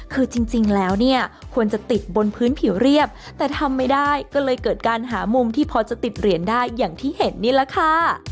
คือจริงแล้วเนี่ยควรจะติดบนพื้นผิวเรียบแต่ทำไม่ได้ก็เลยเกิดการหามุมที่พอจะติดเหรียญได้อย่างที่เห็นนี่แหละค่ะ